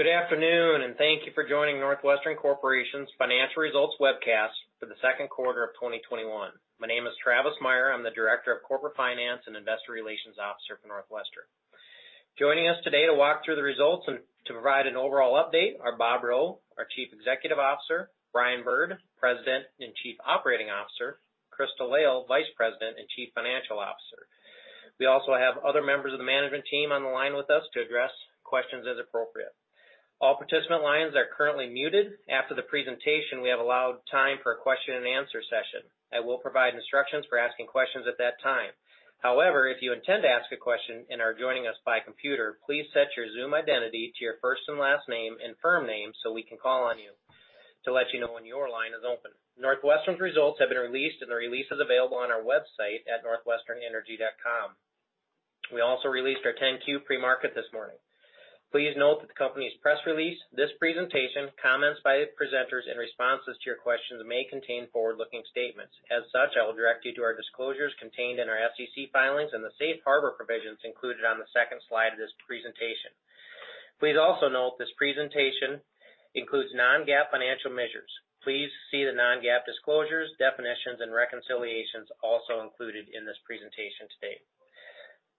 Good afternoon, and thank you for joining NorthWestern Corporation's financial results webcast for the second quarter of 2021. My name is Travis Meyer. I'm the Director of Corporate Finance and Investor Relations Officer for NorthWestern. Joining us today to walk through the results and to provide an overall update are Bob Rowe, our Chief Executive Officer, Brian Bird, President and Chief Operating Officer, Crystal Lail, Vice President and Chief Financial Officer. We also have other members of the management team on the line with us to address questions as appropriate. All participant lines are currently muted. After the presentation, we have allowed time for a question-and-answer session. I will provide instructions for asking questions at that time. However, if you intend to ask a question and are joining us by computer, please set your Zoom identity to your first and last name and firm name so we can call on you to let you know when your line is open. NorthWestern's results have been released, and the release is available on our website at northwesternenergy.com. We also released our 10-Q pre-market this morning. Please note that the company's press release, this presentation, comments by presenters, and responses to your questions may contain forward-looking statements. As such, I will direct you to our disclosures contained in our SEC filings and the safe harbor provisions included on the second slide of this presentation. Please also note this presentation includes non-GAAP financial measures. Please see the non-GAAP disclosures, definitions, and reconciliations also included in this presentation today.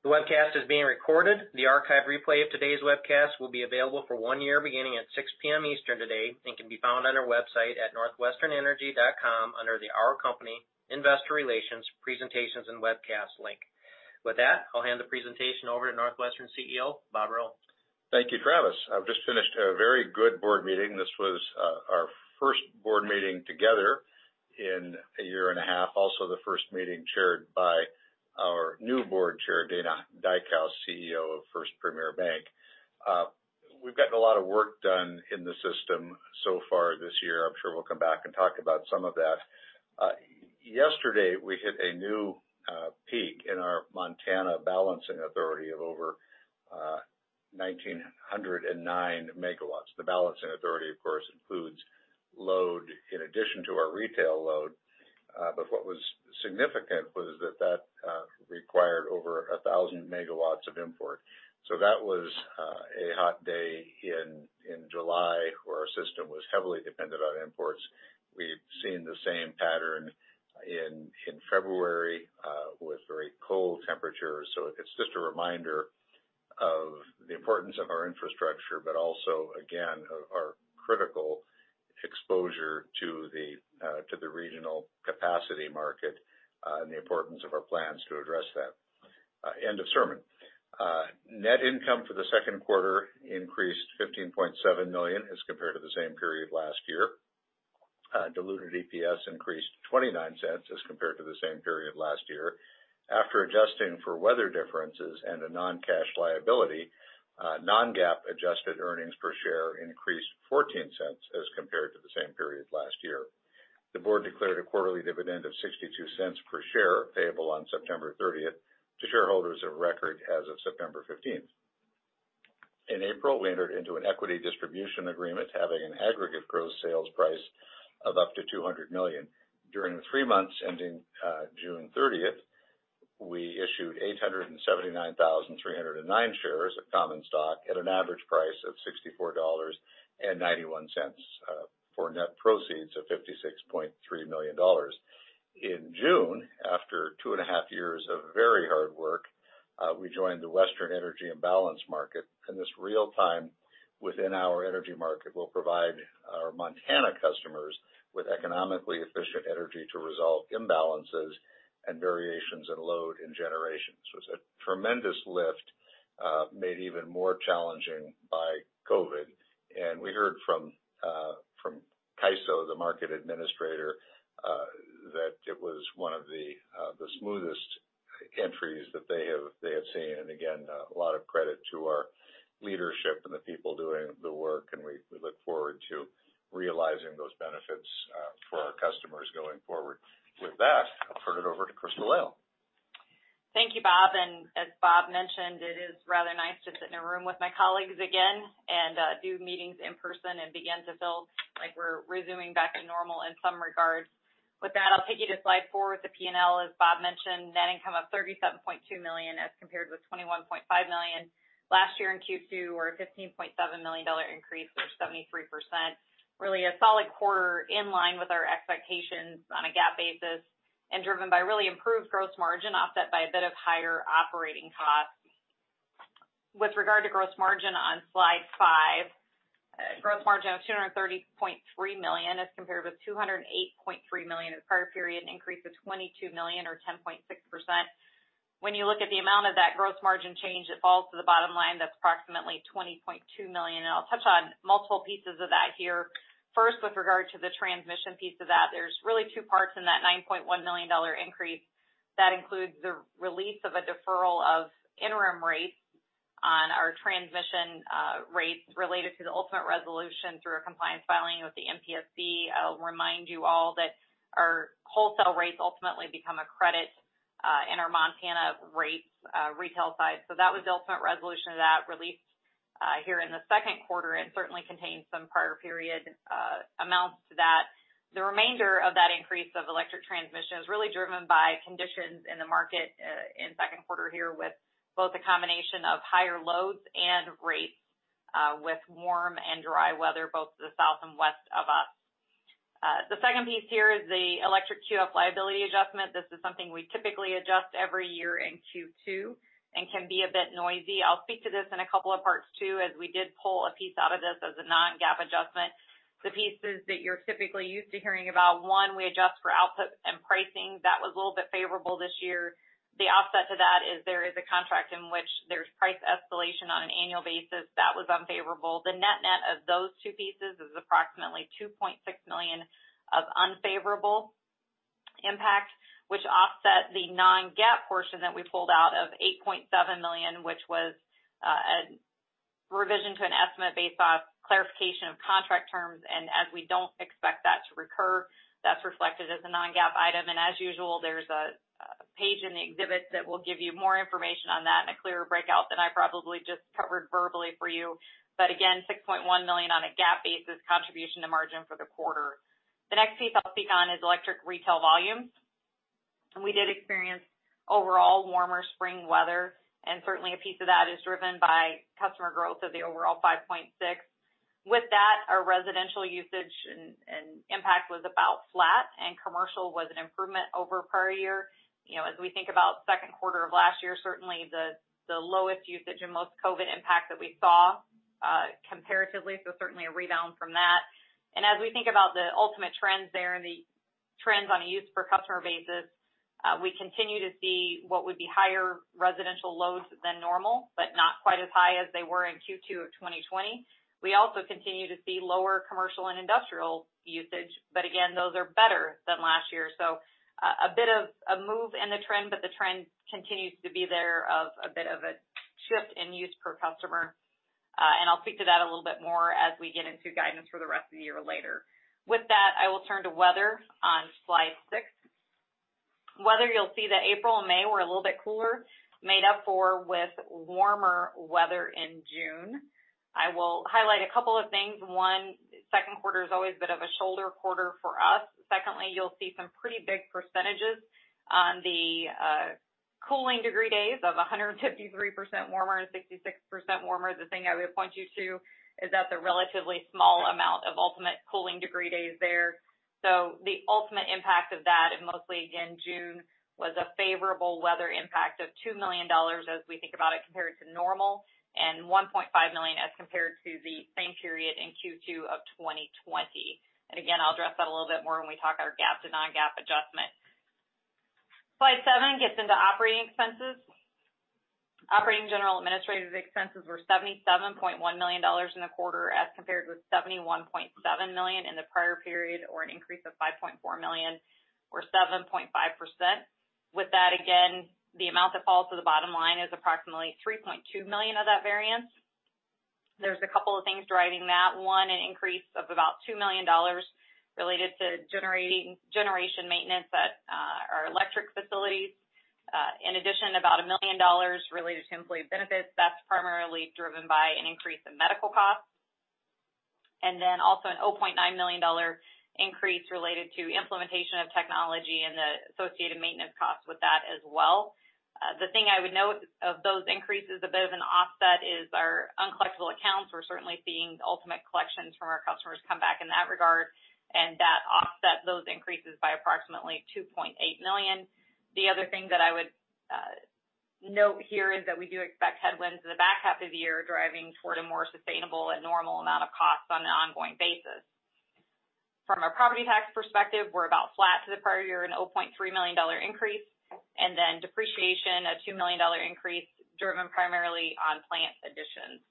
The webcast is being recorded. The archive replay of today's webcast will be available for one year, beginning at 6:00 P.M. Eastern today and can be found on our website at northwesternenergy.com under the Our Company, Investor Relations, Presentations and Webcast link. With that, I'll hand the presentation over to NorthWestern CEO, Bob Rowe. Thank you, Travis. I've just finished a very good board meeting. This was our first board meeting together in a year and a half. The first meeting chaired by our new Board Chair, Dana Dykhouse, CEO of First PREMIER Bank. We've gotten a lot of work done in the system so far this year. I'm sure we'll come back and talk about some of that. Yesterday, we hit a new peak in our Montana balancing authority of over 1,909 MW. The balancing authority, of course, includes load in addition to our retail load. What was significant was that required over 1,000 MW of import. That was a hot day in July where our system was heavily dependent on imports. We've seen the same pattern in February with very cold temperatures. It's just a reminder of the importance of our infrastructure, but also, again, our critical exposure to the regional capacity market and the importance of our plans to address that. End of sermon. Net income for the second quarter increased to $15.7 million as compared to the same period last year. Diluted EPS increased $0.29 as compared to the same period last year. After adjusting for weather differences and a non-cash liability, non-GAAP adjusted earnings per share increased $0.14 as compared to the same period last year. The board declared a quarterly dividend of $0.62 per share, payable on September 30th to shareholders of record as of September 15th. In April, we entered into an equity distribution agreement having an aggregate gross sales price of up to $200 million. During the three months ending June 30th, we issued 879,309 shares of common stock at an average price of $64.91, for net proceeds of $56.3 million. In June, after two and a half years of very hard work, we joined the Western Energy Imbalance Market, this real time within-hour energy market will provide our Montana customers with economically efficient energy to resolve imbalances and variations in load and generations. It was a tremendous lift, made even more challenging by COVID. We heard from CAISO, the market administrator, that it was one of the smoothest entries that they have seen. Again, a lot of credit to our leadership and the people doing the work, and we look forward to realizing those benefits for our customers going forward. With that, I'll turn it over to Crystal Lail. Thank you, Bob. As Bob mentioned, it is rather nice to sit in a room with my colleagues again and do meetings in person and begin to feel like we're resuming back to normal in some regards. With that, I'll take you to slide four with the P&L. As Bob mentioned, net income of $37.2 million as compared with $21.5 million last year in Q2, or a $15.7 million increase or 73%. Really a solid quarter in line with our expectations on a GAAP basis and driven by really improved gross margin, offset by a bit of higher operating costs. With regard to gross margin on slide five, gross margin of $230.3 million as compared with $208.3 million in the prior period, an increase of $22 million or 10.6%. You look at the amount of that gross margin change that falls to the bottom line, that's approximately $20.2 million. I'll touch on multiple pieces of that here. First, with regard to the transmission piece of that, there's really two parts in that $9.1 million increase. That includes the release of a deferral of interim rates on our transmission rates related to the ultimate resolution through a compliance filing with the MPSC. I'll remind you all that our wholesale rates ultimately become a credit in our Montana rates retail side. That was the ultimate resolution of that. Here in the second quarter, certainly contains some prior period amounts to that. The remainder of that increase of electric transmission is really driven by conditions in the market in the second quarter here, with both a combination of higher loads and rates with warm and dry weather, both to the south and west of us. The second piece here is the electric QF liability adjustment. This is something we typically adjust every year in Q2 and can be a bit noisy. I'll speak to this in a couple of parts too, as we did pull a piece out of this as a non-GAAP adjustment. The pieces that you're typically used to hearing about, one, we adjust for output and pricing. That was a little bit favorable this year. The offset to that is there is a contract in which there's price escalation on an annual basis. That was unfavorable. The net-net of those two pieces is approximately $2.6 million of unfavorable impact, which offset the non-GAAP portion that we pulled out of $8.7 million, which was a revision to an estimate based off clarification of contract terms. As we don't expect that to recur, that's reflected as a non-GAAP item. As usual, there's a page in the exhibit that will give you more information on that and a clearer breakout than I probably just covered verbally for you. Again, $6.1 million on a GAAP basis, contribution to margin for the quarter. The next piece I'll speak on is electric retail volumes. We did experience overall warmer spring weather, and certainly a piece of that is driven by customer growth of the overall $5.6 million. With that, our residential usage and impact was about flat, and commercial was an improvement over prior year. As we think about the second quarter of last year, certainly the lowest usage and most COVID impact that we saw comparatively. Certainly a rebound from that. As we think about the ultimate trends there and the trends on a use per customer basis, we continue to see what would be higher residential loads than normal, but not quite as high as they were in Q2 of 2020. We also continue to see lower commercial and industrial usage, but again, those are better than last year. A bit of a move in the trend, but the trend continues to be there, of a bit of a shift in use per customer. I'll speak to that a little bit more as we get into guidance for the rest of the year later. With that, I will turn to weather on slide six. Weather, you'll see that April and May were a little bit cooler, made up for with warmer weather in June. I will highlight a couple of things. One, second quarter is always a bit of a shoulder quarter for us. Secondly, you'll see some pretty big percentages on the cooling degree days of 153% warmer and 66% warmer. The thing I would point you to is that's a relatively small amount of ultimate cooling degree days there. The ultimate impact of that in mostly again June, was a favorable weather impact of $2 million as we think about it compared to normal, and $1.5 million as compared to the same period in Q2 of 2020. Again, I'll address that a little bit more when we talk about our GAAP to non-GAAP adjustments. Slide seven gets into operating expenses. Operating general administrative expenses were $77.1 million in the quarter as compared with $71.7 million in the prior period, or an increase of $5.4 million or 7.5%. Again, the amount that falls to the bottom line is approximately $3.2 million of that variance. There's a couple of things driving that. One, an increase of about $2 million related to generation maintenance at our electric facilities. In addition, about $1 million related to employee benefits. That's primarily driven by an increase in medical costs, also an $0.9 million increase related to implementation of technology and the associated maintenance costs with that as well. The thing I would note of those increases, a bit of an offset is our uncollectible accounts. We're certainly seeing ultimate collections from our customers come back in that regard, that offset those increases by approximately $2.8 million. The other thing that I would note here is that we do expect headwinds in the back half of the year driving toward a more sustainable and normal amount of costs on an ongoing basis. From a property tax perspective, we're about flat to the prior year and $0.3 million increase, and then depreciation, a $2 million increase driven primarily on plant additions.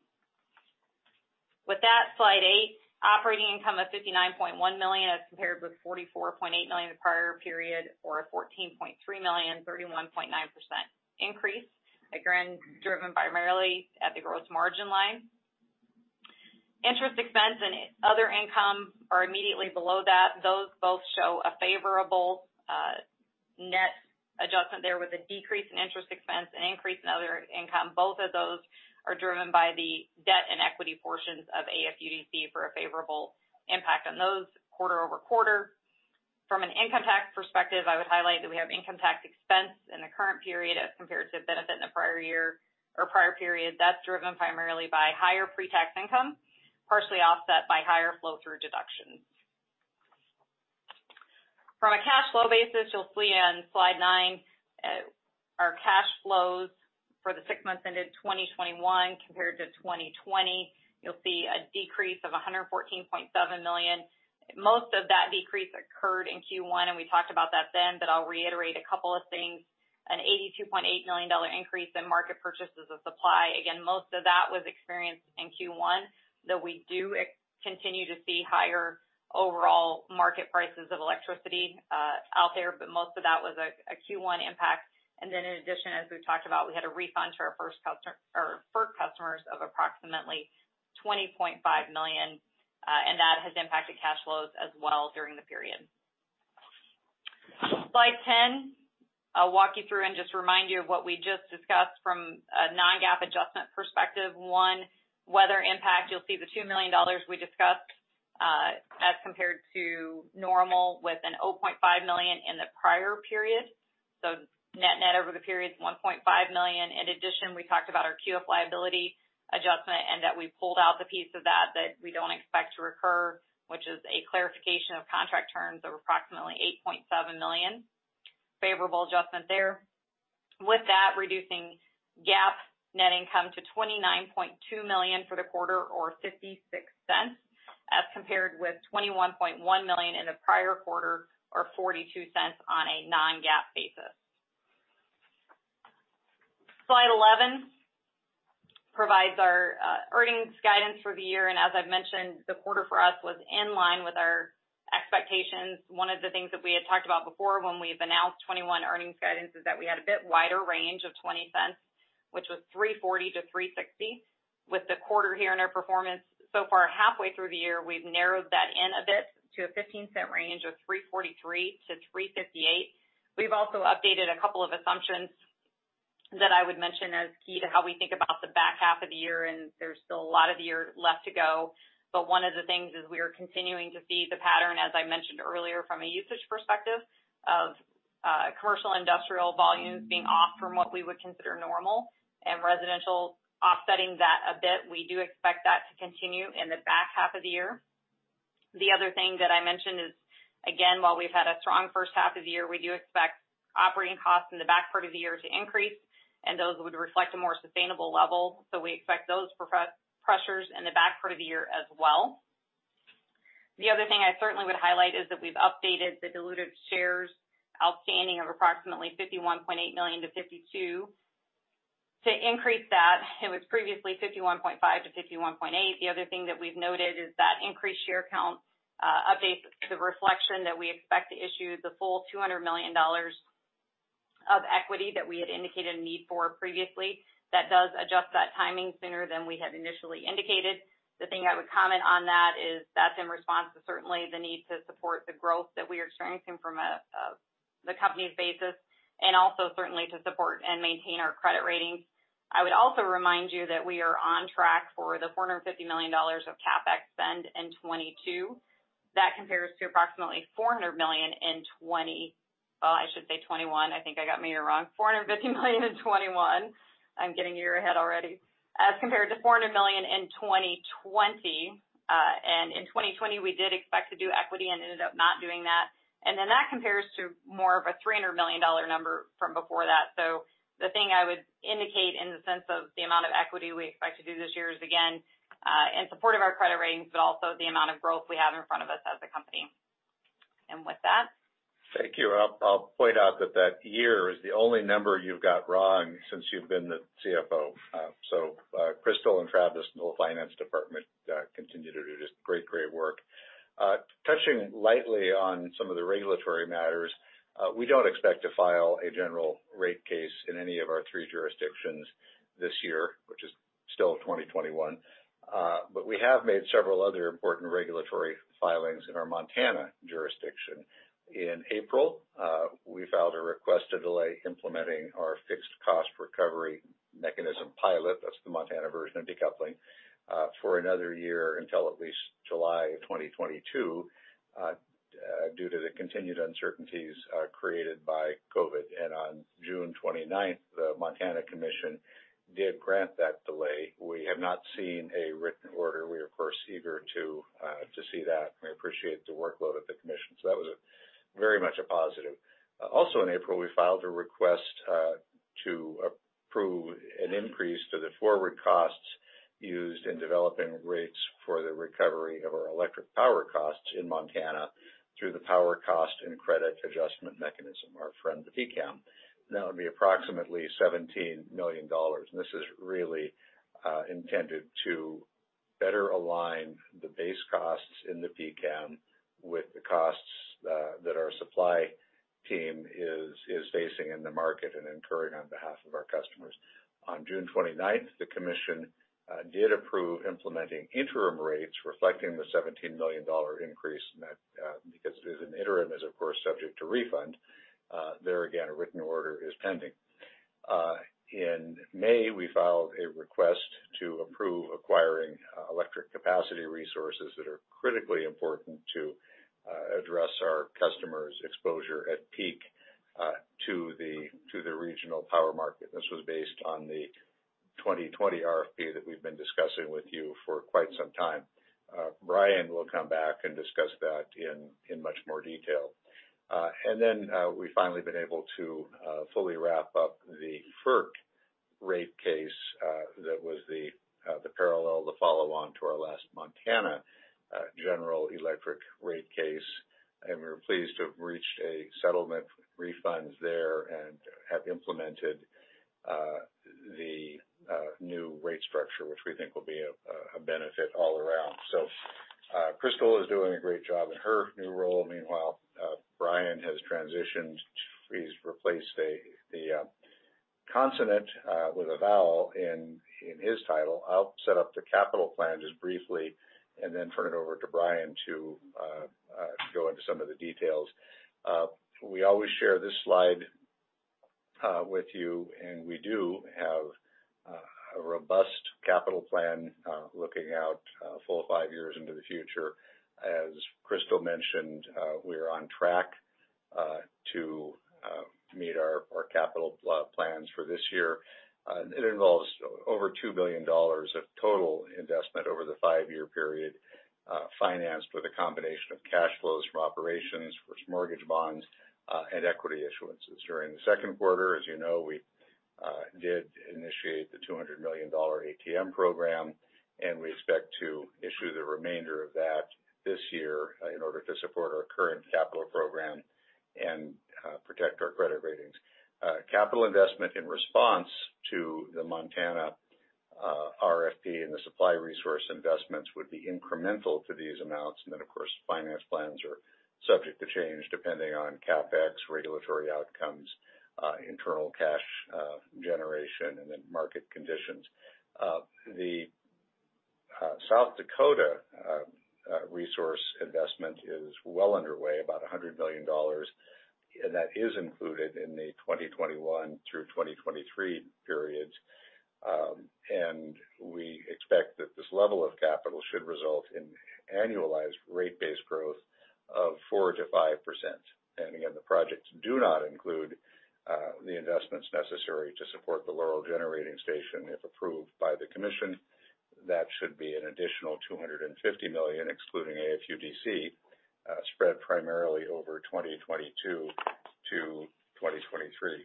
With that, slide eight, operating income of $59.1 million as compared with $44.8 million the prior period or a $14.3 million, 31.9% increase. Again, driven primarily at the gross margin line. Interest expense and other income are immediately below that. Those both show a favorable net adjustment there with a decrease in interest expense and increase in other income. Both of those are driven by the debt and equity portions of AFUDC for a favorable impact on those quarter-over-quarter. From an income tax perspective, I would highlight that we have income tax expense in the current period as compared to a benefit in the prior year or prior period. That's driven primarily by higher pre-tax income, partially offset by higher flow-through deductions. From a cash flow basis, you'll see on slide nine our cash flows for the six months ended 2021 compared to 2020. You'll see a decrease of $114.7 million. Most of that decrease occurred in Q1, and we talked about that then, I'll reiterate a couple of things. An $82.8 million increase in market purchases of supply. Again, most of that was experienced in Q1, though we do continue to see higher overall market prices of electricity out there. Most of that was a Q1 impact. In addition, as we've talked about, we had a refund to our FERC customers of approximately $20.5 million. That has impacted cash flows as well during the period. Slide 10. I'll walk you through and just remind you of what we just discussed from a non-GAAP adjustment perspective. One, weather impact. You'll see the $2 million we discussed, as compared to normal with a $0.5 million in the prior period. Net over the period is $1.5 million. In addition, we talked about our QF liability adjustment and that we pulled out the piece of that that we don't expect to recur, which is a clarification of contract terms of approximately $8.7 million. Favorable adjustment there. With that, reducing GAAP net income to $29.2 million for the quarter or $0.56, as compared with $21.1 million in the prior quarter or $0.42 on a non-GAAP basis. Slide 11 provides our earnings guidance for the year, and as I've mentioned, the quarter for us was in line with our expectations. One of the things that we had talked about before when we've announced 2021 earnings guidance is that we had a bit wider range of $0.20, which was $3.40-$3.60. With the quarter here and our performance so far halfway through the year, we've narrowed that in a bit to a $0.15 range of $3.43-$3.58. We've also updated a couple of assumptions that I would mention as key to how we think about the back half of the year, and there's still a lot of the year left to go. One of the things is we are continuing to see the pattern, as I mentioned earlier from a usage perspective, of commercial industrial volumes being off from what we would consider normal and residential offsetting that a bit. We do expect that to continue in the back half of the year. The other thing that I mentioned is, again, while we've had a strong first half of the year, we do expect operating costs in the back part of the year to increase, and those would reflect a more sustainable level. We expect those pressures in the back part of the year as well. The other thing I certainly would highlight is that we've updated the diluted shares outstanding of approximately $51.8 million to $52 million. To increase that, it was previously $51.5 million-$51.8 million. The other thing that we've noted is that increased share count updates the reflection that we expect to issue the full $200 million of equity that we had indicated a need for previously. That does adjust that timing sooner than we had initially indicated. The thing I would comment on that is that's in response to certainly the need to support the growth that we are experiencing from the company's basis, and also certainly to support and maintain our credit ratings. I would also remind you that we are on track for the $450 million of CapEx spend in 2022. That compares to approximately $400 million in 2020. Oh, I should say 2021. I think I got maybe wrong. $450 million in 2021. I'm getting a year ahead already. Compared to $400 million in 2020. In 2020, we did expect to do equity and ended up not doing that. That compares to more of a $300 million number from before that. The thing I would indicate in the sense of the amount of equity we expect to do this year is again, in support of our credit ratings, but also the amount of growth we have in front of us as a company. With that. Thank you. I'll point out that year is the only number you've got wrong since you've been the CFO. Crystal and Travis and the whole finance department continue to do just great work. Touching lightly on some of the regulatory matters, we don't expect to file a general rate case in any of our three jurisdictions this year, which is still 2021. We have made several other important regulatory filings in our Montana jurisdiction. In April, we filed a request to delay implementing our fixed cost recovery mechanism pilot, that's the Montana version of decoupling, for another year until at least July of 2022, due to the continued uncertainties created by COVID. On June 29th, the Montana Commission did grant that delay. We have not seen a written order. We are, of course, eager to see that. We appreciate the workload of the Commission. That was very much a positive. Also in April, we filed a request to approve an increase to the forward costs used in developing rates for the recovery of our electric power costs in Montana through the Power Costs and Credit Adjustment Mechanism, our friend the PCCAM. That would be approximately $17 million. This is really intended to better align the base costs in the PCCAM with the costs that our supply team is facing in the market and incurring on behalf of our customers. On June 29th, the commission did approve implementing interim rates reflecting the $17 million increase in that because it is an interim is, of course, subject to refund. There again, a written order is pending. In May, we filed a request to approve acquiring electric capacity resources that are critically important to address our customers' exposure at peak to the regional power market. This was based on the 2020 RFP that we've been discussing with you for quite some time. Brian will come back and discuss that in much more detail. We've finally been able to fully wrap up the FERC rate case that was the parallel, the follow-on to our last Montana general electric rate case. We're pleased to have reached a settlement refunds there and have implemented the new rate structure, which we think will be a benefit all around. Crystal is doing a great job in her new role. Meanwhile, Brian has transitioned. He's replaced the consonant with a vowel in his title. I'll set up the capital plan just briefly, then turn it over to Brian to go into some of the details. We always share this slide with you, and we do have a robust capital plan looking out a full five years into the future. As Crystal mentioned, we are on track to meet our capital plans for this year. It involves over $2 billion of total investment over the five-year period, financed with a combination of cash flows from operations, from mortgage bonds, and equity issuances. During the second quarter, as you know, we did initiate the $200 million ATM program, and we expect to issue the remainder of that this year in order to support our current capital program and protect our credit ratings. Capital investment in response to the Montana RFP and the supply resource investments would be incremental to these amounts. Of course, finance plans are subject to change depending on CapEx, regulatory outcomes, internal cash generation, and then market conditions. The South Dakota resource investment is well underway, about $100 million. That is included in the 2021 through 2023 periods. We expect that this level of capital should result in annualized rate-based growth of 4%-5%. Again, the projects do not include the investments necessary to support the Laurel Generating Station. If approved by the commission, that should be an additional $250 million, excluding AFUDC, spread primarily over 2022 to 2023.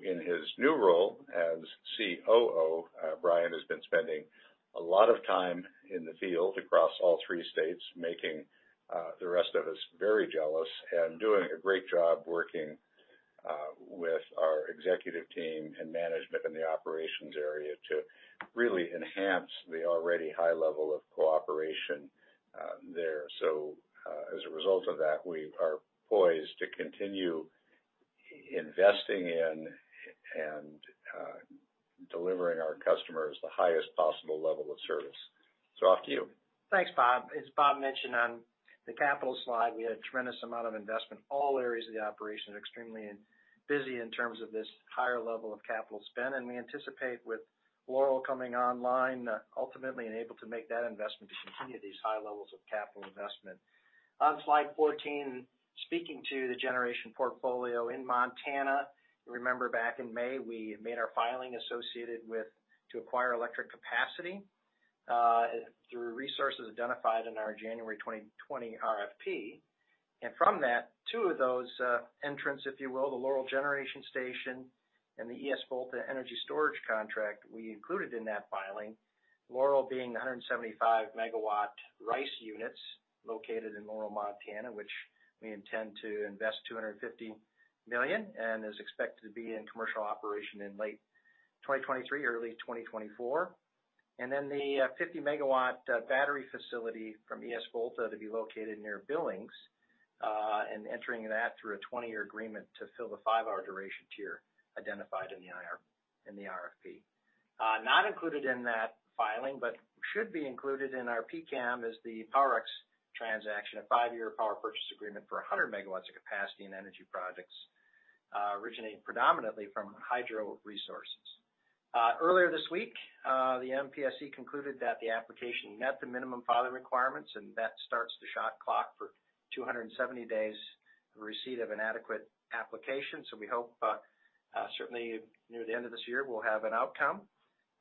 In his new role as COO, Brian has been spending a lot of time in the field across all three states, making the rest of us very jealous and doing a great job working with our executive team and management in the operations area to really enhance the already high level of cooperation there. As a result of that, we are poised to continue investing in and delivering our customers the highest possible level of service. Off to you. Thanks, Bob. As Bob mentioned on the capital slide, we had a tremendous amount of investment. All areas of the operation are extremely busy in terms of this higher level of capital spend. We anticipate with Laurel coming online, ultimately enabled to make that investment to continue these high levels of capital investment. On slide 14, speaking to the generation portfolio in Montana, you remember back in May, we made our filing associated with to acquire electric capacity through resources identified in our January 2020 RFP. From that, two of those entrants, if you will, the Laurel Generating Station and the esVolta energy storage contract, we included in that filing. Laurel being 175 MW RICE units located in Laurel, Montana, which we intend to invest $250 million and is expected to be in commercial operation in late 2023, early 2024. The 50-MW battery facility from esVolta to be located near Billings, and entering that through a 20-year agreement to fill the five-hour duration tier identified in the RFP. Not included in that filing, but should be included in our PCCAM, is the Powerex transaction, a five-year power purchase agreement for 100 MW of capacity and energy projects originating predominantly from hydro resources. Earlier this week, the MPSC concluded that the application met the minimum filing requirements. That starts the shot clock for 270 days of receipt of an adequate application. We hope, certainly near the end of this year, we'll have an outcome.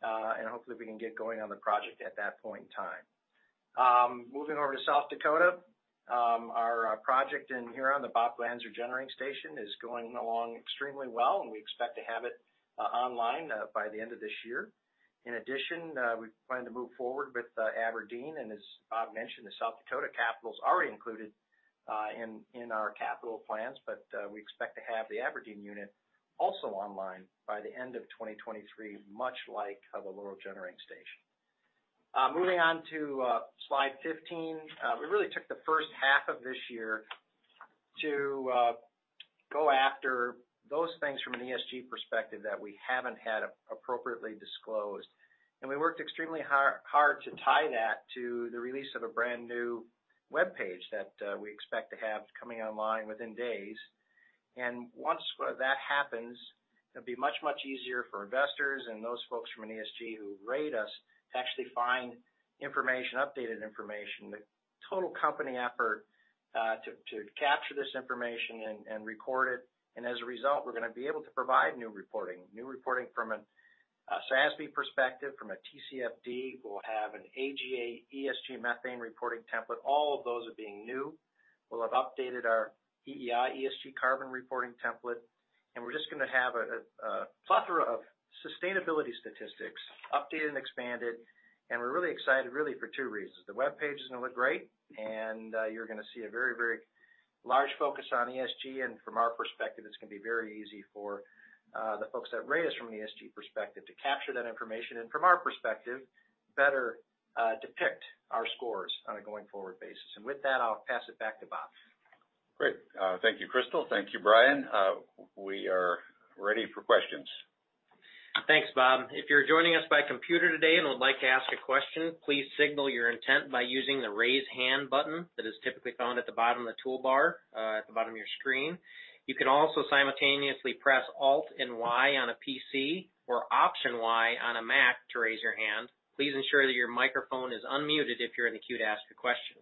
Hopefully we can get going on the project at that point in time. Moving over to South Dakota, our project in Huron, the Bob Glanzer Generating Station, is going along extremely well, and we expect to have it online by the end of this year. We plan to move forward with Aberdeen, and as Bob mentioned, the South Dakota capital already included in our capital plans. We expect to have the Aberdeen unit also online by the end of 2023, much like the Laurel Generating Station. Moving on to slide 15. We really took the first half of this year to go after those things from an ESG perspective that we haven't had appropriately disclosed. We worked extremely hard to tie that to the release of a brand-new webpage that we expect to have coming online within days. Once that happens, it'll be much easier for investors and those folks from an ESG who rate us to actually find updated information. The total company effort to capture this information and record it. As a result, we're going to be able to provide new reporting, new reporting from a SASB perspective, from a TCFD. We'll have an AGA ESG Methane reporting template. All of those are being new. We'll have updated our EEI ESG Carbon reporting template. We're just going to have a plethora of sustainability statistics updated and expanded. We're really excited really for two reasons. The webpage is going to look great. You're going to see a very large focus on ESG. From our perspective, it's going to be very easy for the folks that rate us from an ESG perspective to capture that information. From our perspective, better depict our scores on a going-forward basis. With that, I'll pass it back to Bob. Great. Thank you, Crystal. Thank you, Brian. We are ready for questions. Thanks, Bob. If you're joining us by computer today and would like to ask a question, please signal your intent by using the Raise Hand button that is typically found at the bottom of the toolbar, at the bottom of your screen. You can also simultaneously press Alt and Y on a PC or Option Y on a Mac to raise your hand. Please ensure that your microphone is unmuted if you're in the queue to ask a question.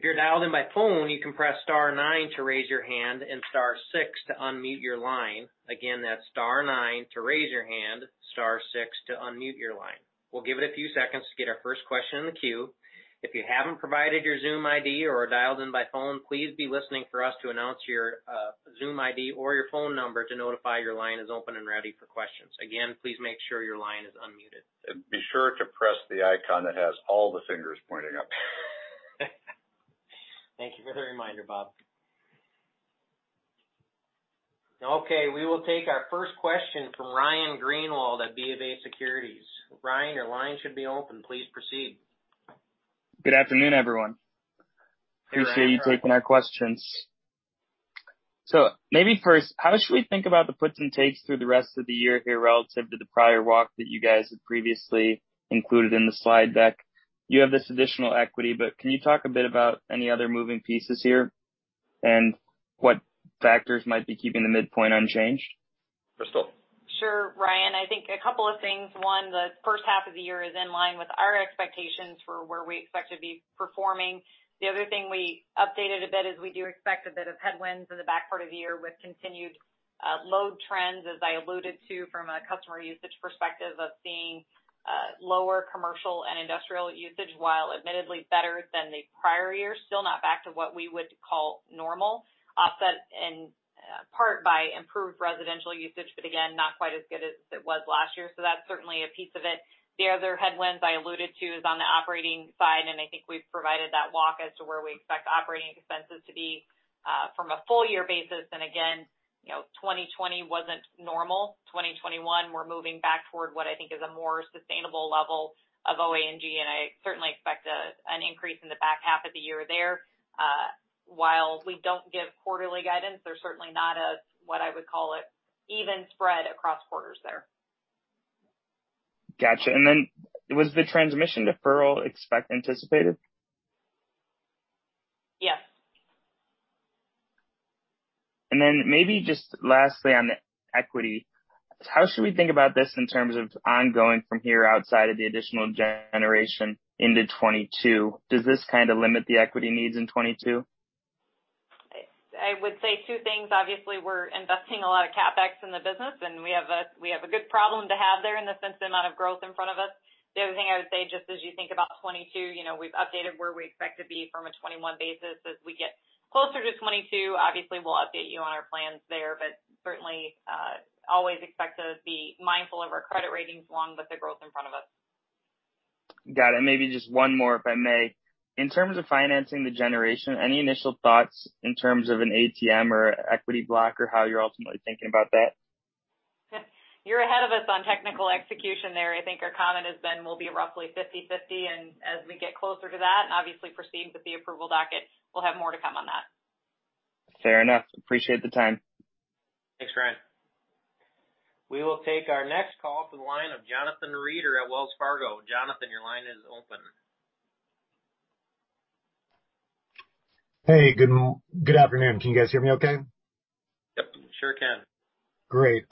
If you're dialed in by phone, you can press star nine to raise your hand and star six to unmute your line. Again, that's star nine to raise your hand, star six to unmute your line. We'll give it a few seconds to get our first question in the queue. If you haven't provided your Zoom ID or are dialed in by phone, please be listening for us to announce your Zoom ID or your phone number to notify your line is open and ready for questions. Again, please make sure your line is unmuted. Be sure to press the icon that has all the fingers pointing up. Thank you for the reminder, Bob. Okay, we will take our first question from Ryan Greenwald at BofA Securities. Ryan, your line should be open. Please proceed. Good afternoon, everyone. Hey, Ryan. How are you? Appreciate you taking our questions. Maybe first, how should we think about the puts and takes through the rest of the year here relative to the prior walk that you guys had previously included in the slide deck? You have this additional equity, but can you talk a bit about any other moving pieces here and what factors might be keeping the midpoint unchanged? Crystal. Sure, Ryan. I think a couple of things. One, the first half of the year is in line with our expectations for where we expect to be performing. The other thing we updated a bit is we do expect a bit of headwinds in the back part of the year with continued load trends, as I alluded to from a customer usage perspective of seeing lower commercial and industrial usage while admittedly better than the prior year, still not back to what we would call normal. Offset in part by improved residential usage, but again, not quite as good as it was last year. That's certainly a piece of it. The other headwinds I alluded to is on the operating side, and I think we've provided that walk as to where we expect operating expenses to be, from a full year basis. Again, 2020 wasn't normal. 2021, we're moving back toward what I think is a more sustainable level of O&M and G&A. I certainly expect an increase in the back half of the year there. While we don't give quarterly guidance, there's certainly not a, what I would call it, even spread across quarters there. Got you. Was the transmission deferral expense anticipated? Yes. Maybe just lastly on the equity, how should we think about this in terms of ongoing from here outside of the additional generation into 2022? Does this kind of limit the equity needs in 2022? I would say two things. Obviously, we're investing a lot of CapEx in the business, and we have a good problem to have there in the sense the amount of growth in front of us. The other thing I would say, just as you think about 2022, we've updated where we expect to be from a 2021 basis. As we get closer to 2022, obviously, we'll update you on our plans there, but certainly, always expect to be mindful of our credit ratings along with the growth in front of us. Got it. Maybe just one more, if I may. In terms of financing the generation, any initial thoughts in terms of an ATM or equity block or how you're ultimately thinking about that? You're ahead of us on technical execution there. I think our comment has been we'll be roughly 50/50. As we get closer to that, and obviously proceed with the approval docket, we'll have more to come on that. Fair enough. Appreciate the time. Thanks, Ryan. We will take our next call to the line of Jonathan Reeder at Wells Fargo. Jonathan, your line is open. Hey. Good afternoon. Can you guys hear me okay? Yep. Sure can. Great.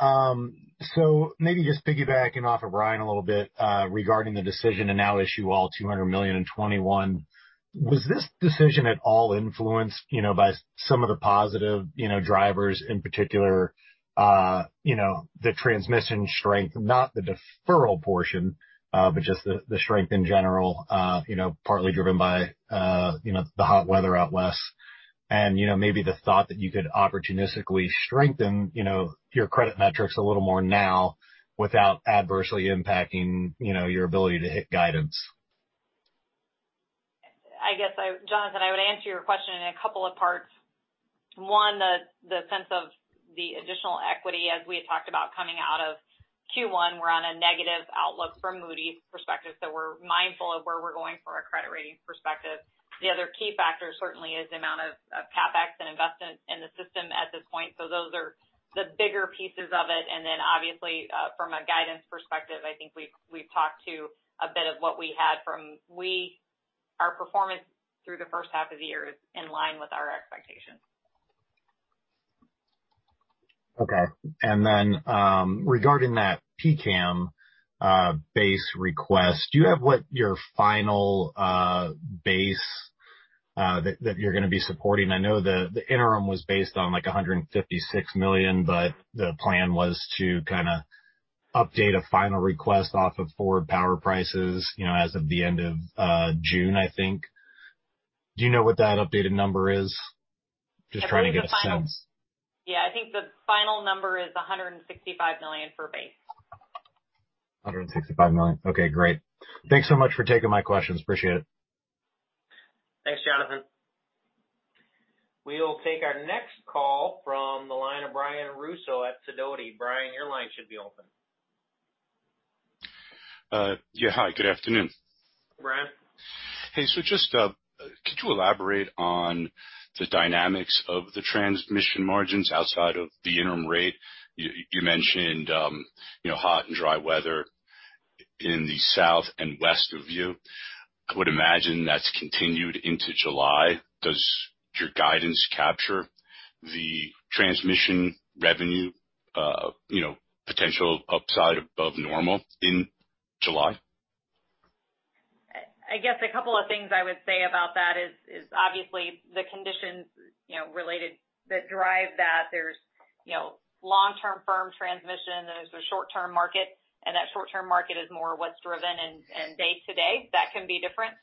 Maybe just piggybacking off of Ryan a little bit, regarding the decision to now issue all $200 million in 2021. Was this decision at all influenced by some of the positive drivers, in particular, the transmission strength, not the deferral portion, but just the strength in general, partly driven by the hot weather out West and maybe the thought that you could opportunistically strengthen your credit metrics a little more now without adversely impacting your ability to hit guidance? I guess, Jonathan, I would answer your question in a couple of parts. One, the sense of the additional equity, as we had talked about coming out of Q1, we're on a negative outlook from Moody's perspective, so we're mindful of where we're going from a credit rating perspective. The other key factor certainly is the amount of CapEx and investment in the system at this point. Obviously, from a guidance perspective, I think we've talked to a bit of what we had from our performance through the first half of the year is in line with our expectations. Okay. Regarding that PCCAM base request, do you have what your final base that you're going to be supporting? I know the interim was based on $156 million, the plan was to kind of update a final request off of forward power prices as of the end of June, I think. Do you know what that updated number is? Just trying to get a sense. Yeah, I think the final number is $165 million for base. $165 million. Okay, great. Thanks so much for taking my questions. Appreciate it. Thanks, Jonathan. We will take our next call from the line of Brian Russo at Sidoti. Brian, your line should be open. Yeah. Hi, good afternoon. Brian. Could you elaborate on the dynamics of the transmission margins outside of the interim rate? You mentioned hot and dry weather in the south and west of you. I would imagine that's continued into July. Does your guidance capture the transmission revenue potential upside above normal in July? A couple of things I would say about that is obviously the conditions that drive that. There's long-term firm transmission, there's a short-term market, and that short-term market is more what's driven and day to day, that can be different.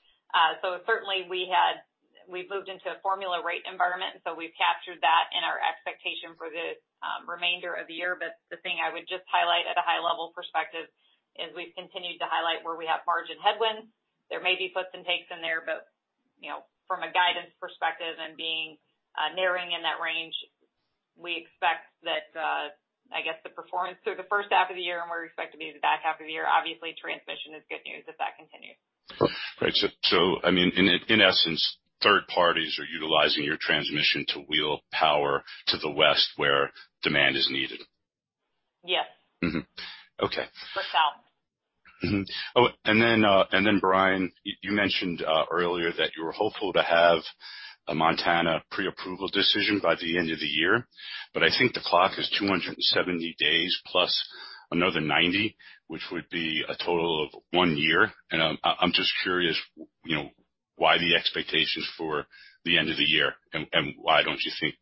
Certainly we've moved into a formula rate environment. We've captured that in our expectation for the remainder of the year. The thing I would just highlight at a high-level perspective is we've continued to highlight where we have margin headwinds. There may be puts and takes in there, but from a guidance perspective and nearing in that range, we expect that the performance through the first half of the year and where we expect to be in the back half of the year, obviously transmission is good news if that continues. Great. In essence, third parties are utilizing your transmission to wheel power to the West where demand is needed. Yes. Mm-hmm. Okay. The South. Mm-hmm. Brian, you mentioned earlier that you were hopeful to have a Montana pre-approval decision by the end of the year. I think the clock is 270 days plus another 90 days, which would be a total of one year. I'm just curious, why the expectations for the end of the year, and why don't you think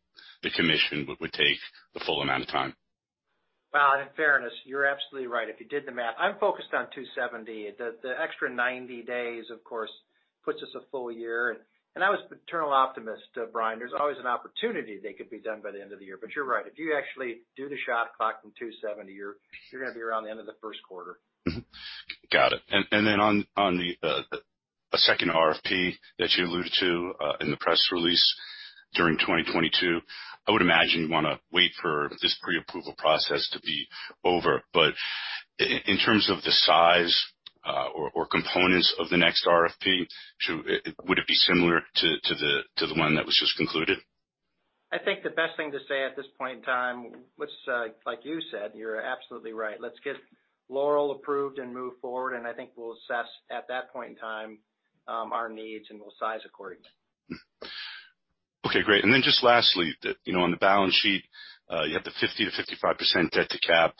the Commission would take the full amount of time? Well, in fairness, you're absolutely right. If you did the math, I'm focused on 270 days. The extra 90 days, of course, puts us a full year. I was eternal optimist, Brian. There's always an opportunity they could be done by the end of the year. You're right. If you actually do the shot clock from 270 days, you're going to be around the end of the first quarter. Got it. On the second RFP that you alluded to in the press release during 2022, I would imagine you want to wait for this pre-approval process to be over. In terms of the size or components of the next RFP, would it be similar to the one that was just concluded? I think the best thing to say at this point in time, like you said, you're absolutely right. Let's get Laurel approved and move forward, and I think we'll assess at that point in time our needs, and we'll size accordingly. Okay, great. Just lastly, on the balance sheet, you have the 50%-55% debt to cap.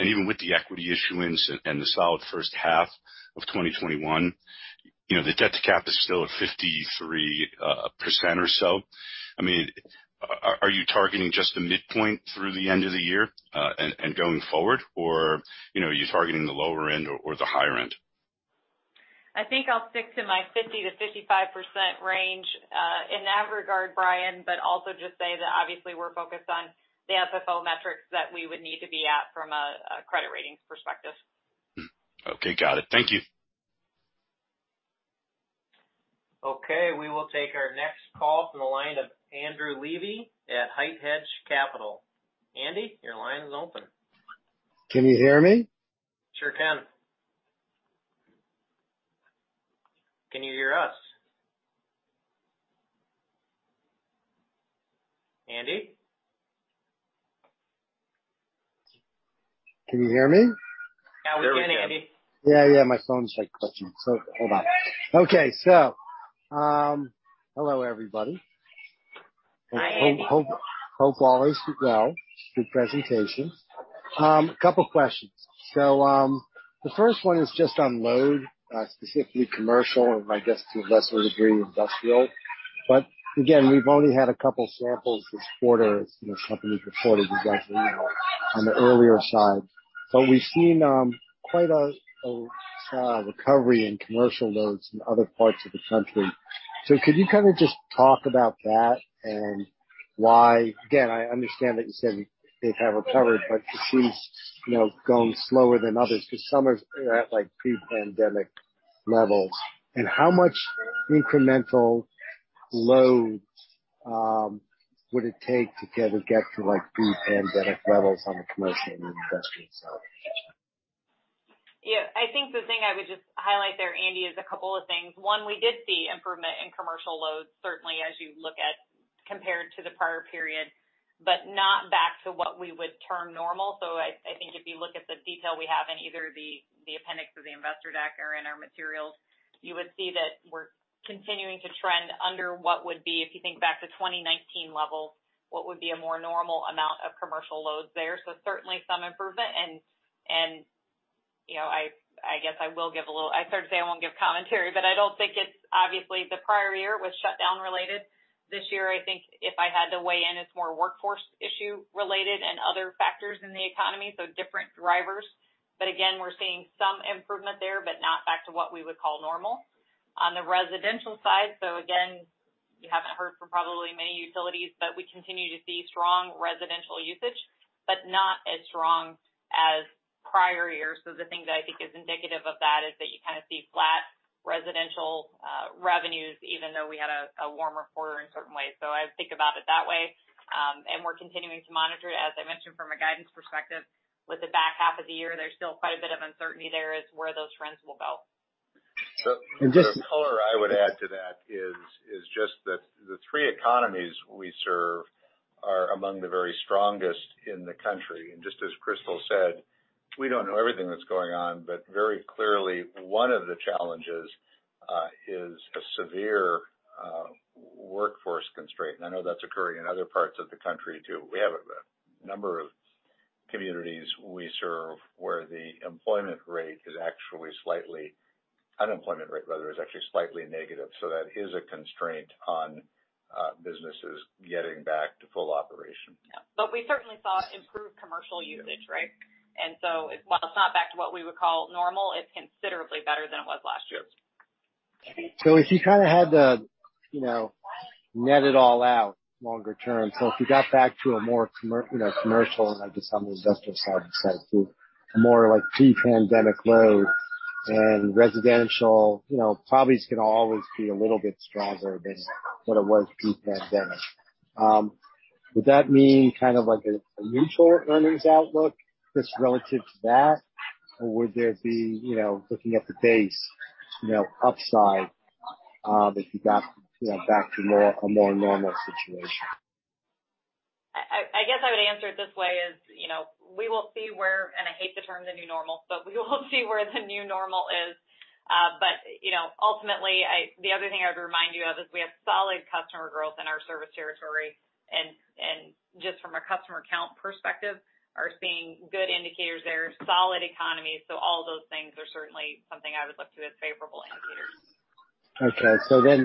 Even with the equity issuance and the solid first half of 2021, the debt to cap is still at 53% or so. Are you targeting just the midpoint through the end of the year and going forward or are you targeting the lower end or the higher end? I think I'll stick to my 50%-55% range in that regard, Brian, but also just say that obviously we're focused on the FFO metrics that we would need to be at from a credit ratings perspective. Okay, got it. Thank you. Okay, we will take our next call from the line of Andrew Levi at HITE Hedge Capital. Andy, your line is open. Can you hear me? Sure can. Can you hear us? Andy? Can you hear me? Now we can, Andy. Yeah. My phone is glitching. Hold on. Okay. Hello, everybody. Hi, Andy. Hope all is well. Good presentation. Couple questions. The first one is just on load, specifically commercial and I guess to a lesser degree, industrial. Again, we've only had a couple samples this quarter as companies reported, as I said, on the earlier side. We've seen quite a recovery in commercial loads in other parts of the country. Could you kind of just talk about that and why? Again, I understand that you said they have recovered, but this is going slower than others because some are at pre-pandemic levels. How much incremental load would it take to kind of get to pre-pandemic levels on the commercial and industrial side? I think the thing I would just highlight there, Andy, is a couple of things. One, we did see improvement in commercial loads, certainly as you look at compared to the prior period, but not back to what we would term normal. I think if you look at the detail we have in either the appendix of the investor deck or in our materials, you would see that we're continuing to trend under what would be, if you think back to 2019 levels, what would be a more normal amount of commercial loads there. Certainly some improvement. I guess I started to say I won't give commentary, but I don't think it's obviously the prior year was shutdown related. This year, I think if I had to weigh in, it's more workforce issue related and other factors in the economy, so different drivers. Again, we're seeing some improvement there, but not back to what we would call normal. On the residential side, again, you haven't heard from probably many utilities, but we continue to see strong residential usage, but not as strong as prior years. The thing that I think is indicative of that is that you kind of see flat residential revenues, even though we had a warmer quarter in certain ways. I think about it that way. We're continuing to monitor it, as I mentioned, from a guidance perspective, with the back half of the year, there's still quite a bit of uncertainty there as where those trends will go. And just- The color I would add to that is just that the three economies we serve are among the very strongest in the country. Just as Crystal said, we don't know everything that's going on. Very clearly, one of the challenges is a severe workforce constraint. I know that's occurring in other parts of the country, too. We have a number of communities we serve where the unemployment rate, rather, is actually slightly negative. That is a constraint on businesses getting back to full operation. Yeah. We certainly saw improved commercial usage, right? While it's not back to what we would call normal, it's considerably better than it was last year. If you kind of had the netted all out longer term, if you got back to a more commercial, and I guess on the industrial side, too, a more like pre-pandemic load and residential, probably is going to always be a little bit stronger than what it was pre-pandemic. Would that mean kind of like a neutral earnings outlook just relative to that? Would there be looking at the base upside, if you got back to a more normal situation? I guess I would answer it this way is, we will see where, and I hate the term the new normal, but we will see where the new normal is. Ultimately, the other thing I would remind you of is we have solid customer growth in our service territory. Just from a customer count perspective, are seeing good indicators there, solid economy. All those things are certainly something I would look to as favorable indicators. Okay.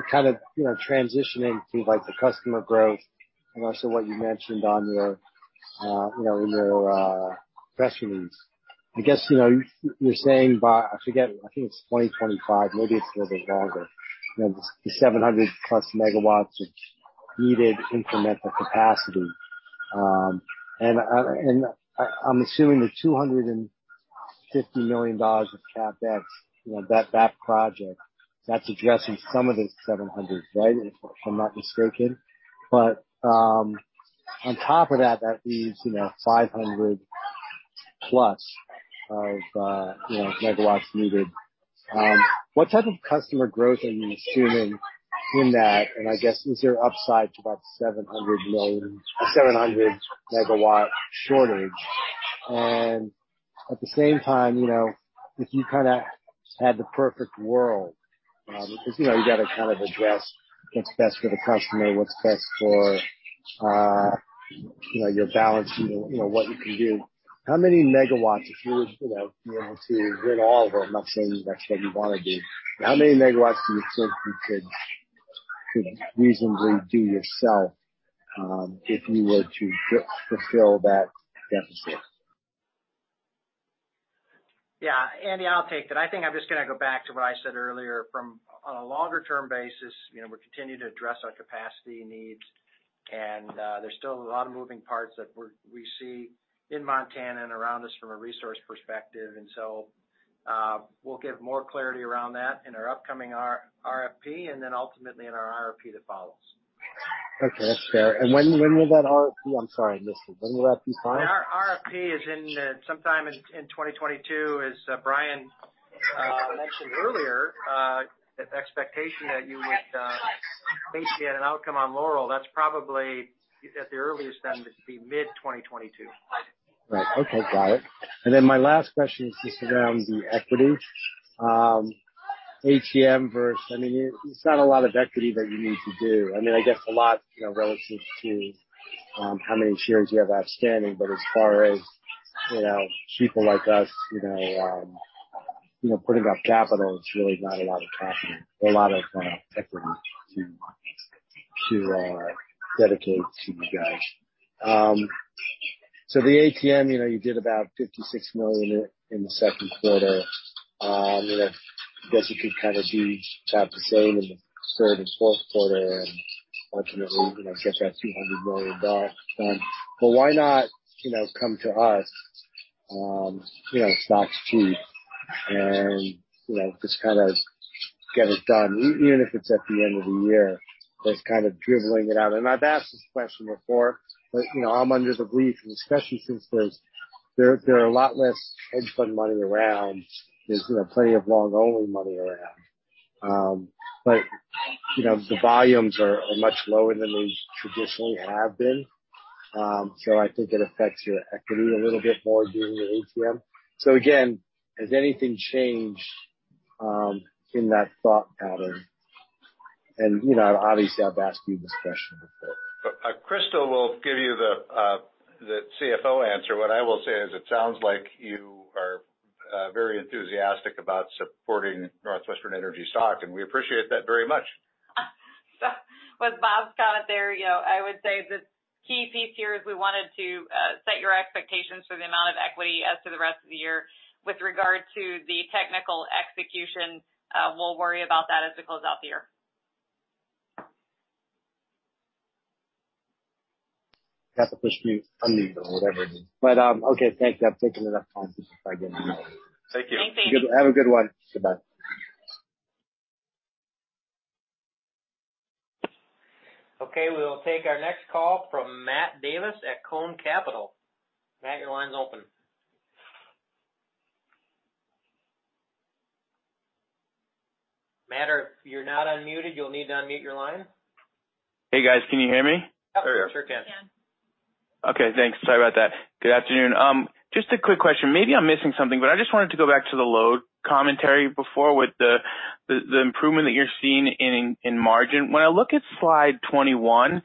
Kind of transitioning to the customer growth and also what you mentioned in your press release. I guess, you're saying by, I forget, I think it's 2025, maybe it's a little bit longer, the 700+ MW of needed incremental capacity? I'm assuming the $250 million of CapEx, that project, that's addressing some of the 700 MW, right? If I'm not mistaken. On top of that leaves 500+ MW needed. What type of customer growth are you assuming in that? I guess, is there upside to about 700 MW shortage? At the same time, if you kind of had the perfect world, because you got to kind of address what's best for the customer, what's best for your balance sheet, what you can do. How many megawatts, if you would be able to win all of them, I'm not saying that's what you want to do. How many megawatts do you think you could reasonably do yourself if you were to fulfill that deficit? Andy, I'll take that. I think I'm just going to go back to what I said earlier. From a longer-term basis, we're continuing to address our capacity needs, and there's still a lot of moving parts that we see in Montana and around us from a resource perspective. We'll give more clarity around that in our upcoming RFP, and then ultimately in our RFP that follows. Okay, that's fair. When will that RFP I'm sorry, I missed it. When will that be final? Our RFP is in sometime in 2022, as Brian mentioned earlier. The expectation that you would basically get an outcome on Laurel, that's probably, at the earliest then, be mid-2022. Right. Okay. Got it. Then my last question is just around the equity. ATM versus, I mean, it's not a lot of equity that you need to do. I guess a lot, relative to how many shares you have outstanding, but as far as people like us putting up capital, it's really not a lot of capital, a lot of equity to dedicate to you guys. The ATM, you did about $56 million in the second quarter. I guess it could kind of be about the same in the third and fourth quarter, and ultimately, get that $200 million done. Why not come to us, stock's cheap, and just kind of get it done, even if it's at the end of the year, just kind of dribbling it out. I've asked this question before, but I'm under the belief, and especially since there are a lot less hedge fund money around. There's plenty of long-only money around. The volumes are much lower than they traditionally have been. I think it affects your equity a little bit more doing the ATM. Again, has anything changed in that thought pattern? Obviously, I've asked you this question before. Crystal will give you the CFO answer. What I will say is it sounds like you are very enthusiastic about supporting NorthWestern Energy stock, and we appreciate that very much. With Bob's comment there, I would say the key piece here is we wanted to set your expectations for the amount of equity as to the rest of the year. With regard to the technical execution, we'll worry about that as we close out the year. You have to push mute, unmute or whatever it is. Okay, thank you. I've taken enough time just by getting in. Thank you. Thank you. Have a good one. Goodbye. Okay, we will take our next call from Matt Davis at Coann Capital. Matt, your line's open. Matt, you're not unmuted. You'll need to unmute your line. Hey, guys. Can you hear me? Yep. Sure can. Okay, thanks. Sorry about that. Good afternoon. Just a quick question. Maybe I'm missing something, but I just wanted to go back to the load commentary before with the improvement that you're seeing in margin. When I look at slide 21,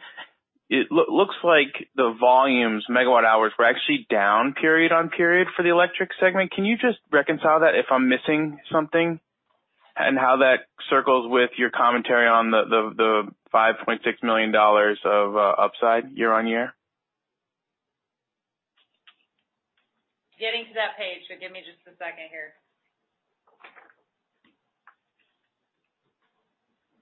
it looks like the volumes, megawatt hours, were actually down period on period for the electric segment. Can you just reconcile that if I'm missing something, and how that circles with your commentary on the $5.6 million of upside year-over-year? Getting to that page, give me just a second here.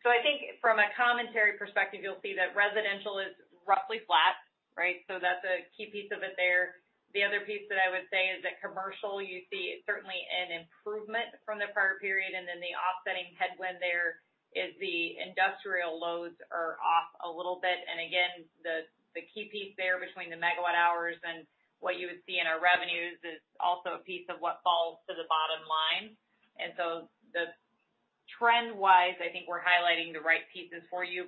I think from a commentary perspective, you'll see that residential is roughly flat, right? That's a key piece of it there. The other piece that I would say is that commercial, you see certainly an improvement from the prior period, the offsetting headwind there is the industrial loads are off a little bit. Again, the key piece there between the megawatt hours and what you would see in our revenues is also a piece of what falls to the bottom line. The trend-wise, I think we're highlighting the right pieces for you,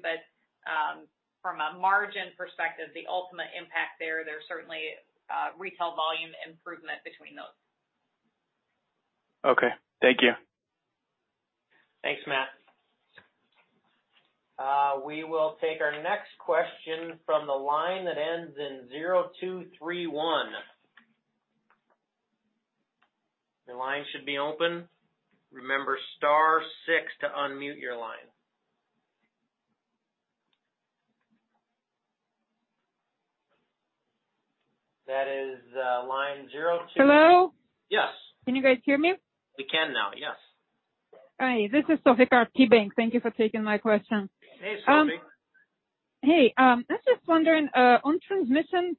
from a margin perspective, the ultimate impact there's certainly a retail volume improvement between those. Okay. Thank you. Thanks, Matt. We will take our next question from the line that ends in zero two three one. Your line should be open. Remember, star six to unmute your line. Hello? Yes. Can you guys hear me? We can now, yes. Hi, this is Sophie Karp, KeyBanc. Thank you for taking my question. Hey, Sophie. Hey, I was just wondering, on transmission,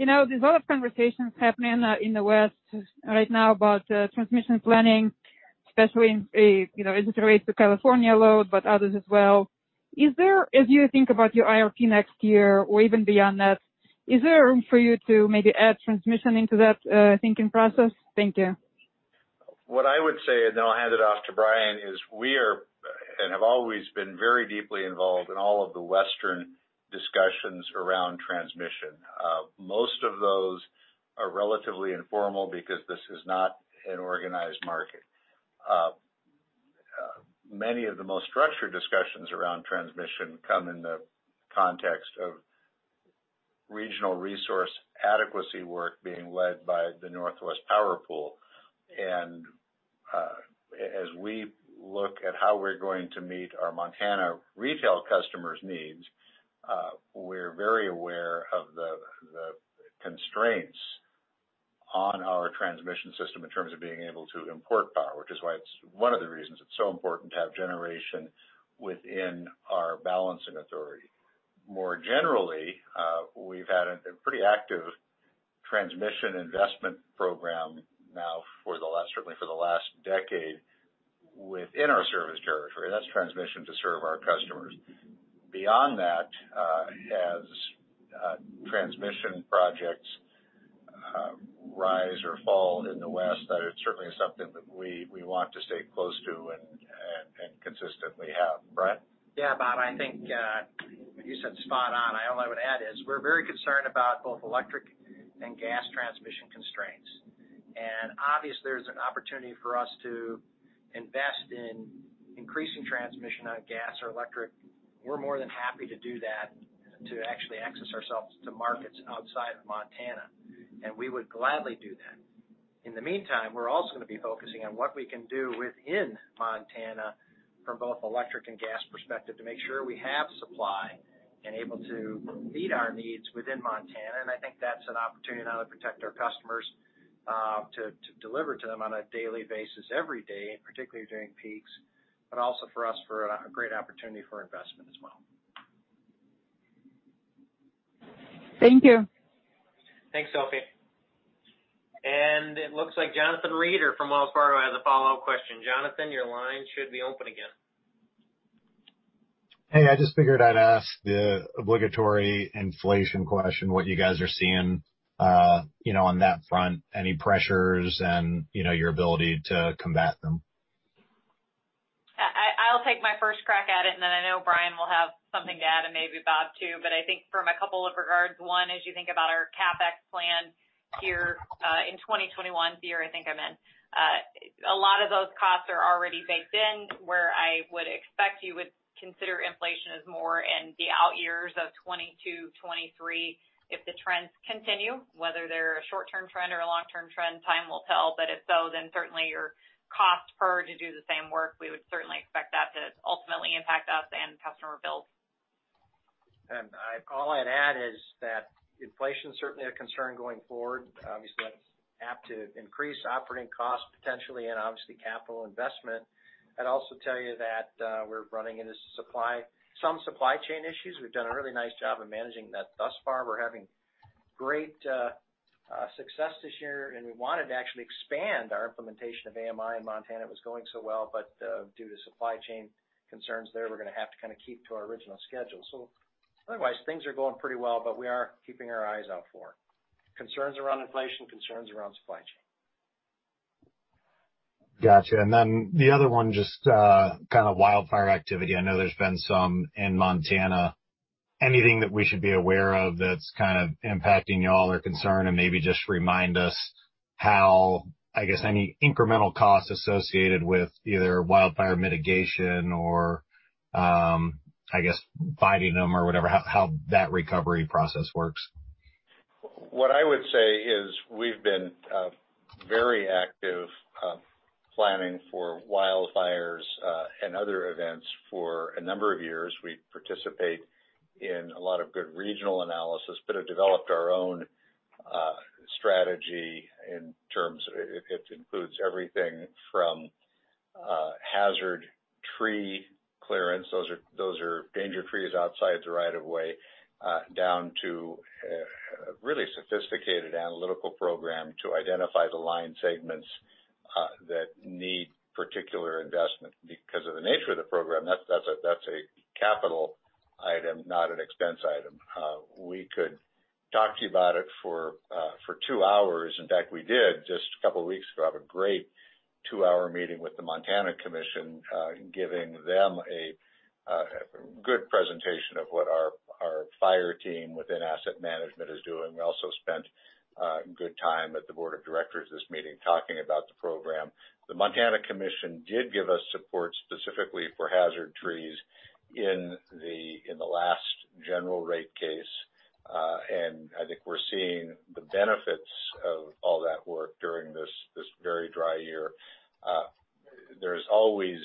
there's a lot of conversations happening in the West right now about transmission planning, especially in, as it relates to California load, but others as well. As you think about your RFP next year or even beyond that, is there room for you to maybe add transmission into that thinking process? Thank you. What I would say, and then I'll hand it off to Brian, is we are, and have always been, very deeply involved in all of the Western discussions around transmission. Most of those are relatively informal because this is not an organized market. Many of the most structured discussions around transmission come in the context of regional resource adequacy work being led by the Northwest Power Pool. As we look at how we're going to meet our Montana retail customers' needs, we're very aware of the constraints on our transmission system in terms of being able to import power, which is one of the reasons it's so important to have generation within our balancing authority. More generally, we've had a pretty active transmission investment program now certainly for the last decade within our service territory. That's transmission to serve our customers. Beyond that, as transmission projects rise or fall in the West, that is certainly something that we want to stay close to and consistently have. Brian? Yeah, Bob, I think you said spot on. All I would add is we're very concerned about both electric and gas transmission constraints. Obviously, there's an opportunity for us to invest in increasing transmission on gas or electric. We're more than happy to do that to actually access ourselves to markets outside of Montana, and we would gladly do that. In the meantime, we're also going to be focusing on what we can do within Montana from both electric and gas perspective to make sure we have supply and able to meet our needs within Montana. I think that's an opportunity now to protect our customers, to deliver to them on a daily basis every day, and particularly during peaks, but also for us for a great opportunity for investment as well. Thank you. Thanks, Sophie. It looks like Jonathan Reeder from Wells Fargo has a follow-up question. Jonathan, your line should be open again. Hey, I just figured I'd ask the obligatory inflation question, what you guys are seeing on that front, any pressures and your ability to combat them? I'll take my first crack at it, and then I know Brian will have something to add and maybe Bob too. I think from a couple of regards, one, as you think about our CapEx plan here in 2021, I think I meant, a lot of those costs are already baked in where I would expect you would consider inflation as more in the out years of 2022, 2023 if the trends continue. Whether they're a short-term trend or a long-term trend, time will tell. If so, then certainly your cost per to do the same work, we would certainly expect that to ultimately impact us and customer bills. All I'd add is that inflation's certainly a concern going forward. Obviously, that's apt to increase operating costs potentially and obviously capital investment. I'd also tell you that we're running into some supply chain issues. We've done a really nice job of managing that thus far. We're having great success this year, and we wanted to actually expand our implementation of AMI in Montana. It was going so well, but due to supply chain concerns there, we're going to have to keep to our original schedule. Otherwise, things are going pretty well, but we are keeping our eyes out for concerns around inflation, concerns around supply chain. Got you. The other one, just kind of wildfire activity. I know there's been some in Montana. Anything that we should be aware of that's kind of impacting you all or a concern? Maybe just remind us how, I guess, any incremental costs associated with either wildfire mitigation or, I guess, fighting them or whatever, how that recovery process works? What I would say is we've been very active planning for wildfires and other events for a number of years. We participate in a lot of good regional analysis, but have developed our own strategy in terms of it includes everything from hazard tree clearance, those are danger trees outside the right of way, down to a really sophisticated analytical program to identify the line segments that need particular investment. Because of the nature of the program, that's a capital item, not an expense item. We could talk to you about it for two hours. In fact, we did just a couple of weeks ago, have a great two-hour meeting with the Montana Commission, giving them a good presentation of what our fire team within asset management is doing. We also spent a good time at the Board of Directors this meeting, talking about the program. The Montana Commission did give us support specifically for hazard trees in the last general rate case. I think we're seeing the benefits of all that work during this very dry year. There's always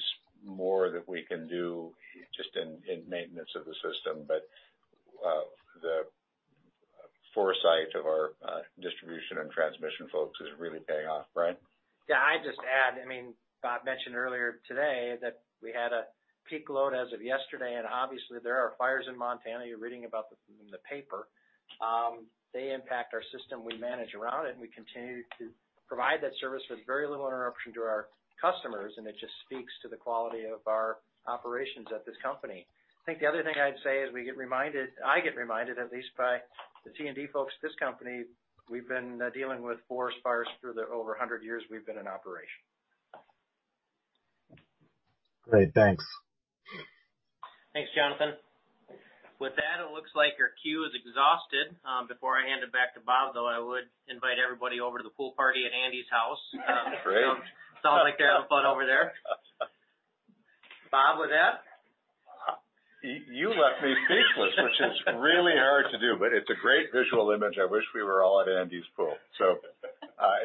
more that we can do just in maintenance of the system. The foresight of our distribution and transmission folks is really paying off. Brian? Yeah, I'd just add, Bob mentioned earlier today that we had a peak load as of yesterday. Obviously there are fires in Montana. You're reading about them in the paper. They impact our system. We manage around it. We continue to provide that service with very little interruption to our customers. It just speaks to the quality of our operations at this company. I think the other thing I'd say is I get reminded at least by the T&D folks at this company, we've been dealing with forest fires through the over 100 years we've been in operation. Great. Thanks. Thanks, Jonathan. With that, it looks like your queue is exhausted. Before I hand it back to Bob, though, I would invite everybody over to the pool party at Andy's house. Great. Sounds like they're having fun over there. Bob, with that? You left me speechless, which is really hard to do, but it's a great visual image. I wish we were all at Andy's pool.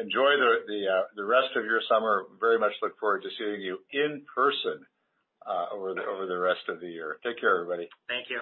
Enjoy the rest of your summer. Very much look forward to seeing you in person over the rest of the year. Take care, everybody. Thank you.